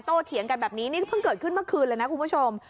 เถียงกันแบบนี้นี่เพิ่งเกิดขึ้นเมื่อคืนเลยนะคุณผู้ชม